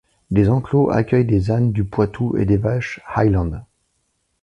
Des enclos accueillent des ânes du Poitou et des vaches Highland.